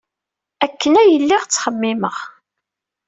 Akken ay lliɣ ttxemmimeɣ.